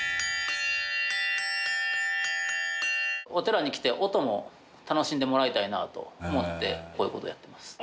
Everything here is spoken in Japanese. お寺に来て音も楽しんでもらいたいなと思ってこういう事をやってます。